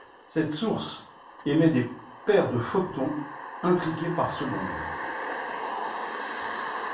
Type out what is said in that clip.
Cette source émet de paires de photons intriqués par seconde.